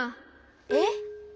えっ？